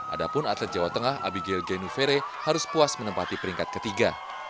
adapun atlet jawa tengah abigil genufere harus puas menempati peringkat ketiga